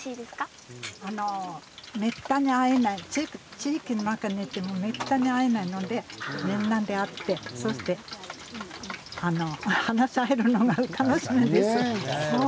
地域の中にでもめったに会えないのでみんなでやって、そして話しができるのが楽しみです。